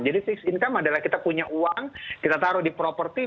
jadi fixed income adalah kita punya uang kita taruh di properti